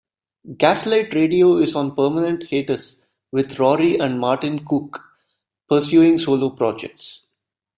Gaslight Radio is on permanent hiatus with Rory and Martin Cooke pursuing solo projects.